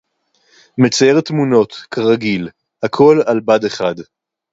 מצייר תמונות, כרגיל. הכול על בד אחד.